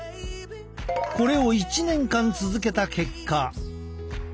これを１年間続けた結果。